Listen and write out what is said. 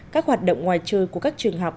các hoạt động ngoài trời của các trường học